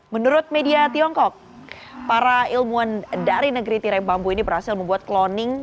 menurut media tiongkok para ilmuwan dari negeri tirai bambu ini berhasil membuat cloning